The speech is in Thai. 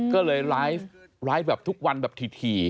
ก็เลยไลฟ์ไลฟ์แบบทุกวันแบบถี่